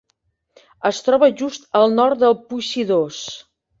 Es troba just al nord del Pui Sidós.